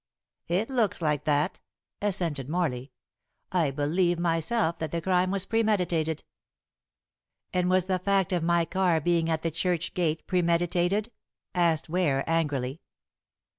"It looks like that," assented Morley. "I believe myself that the crime was premeditated." "And was the fact of my car being at the church gate premeditated?" asked Ware angrily.